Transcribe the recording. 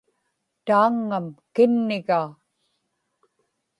taaŋŋam kinnigaa